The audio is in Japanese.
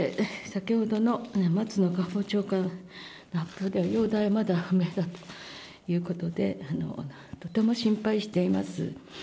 先ほどの松野官房長官の会見で容体はまだ不明だということでとても心配しています。